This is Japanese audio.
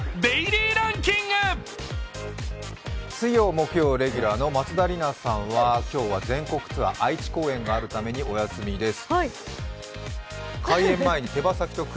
水曜、木曜レギュラーの松田里奈さんは今日は全国ツアー愛知公演があるためにお休みです。